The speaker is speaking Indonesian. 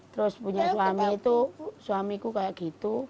terus punya suami itu suamiku kayak gitu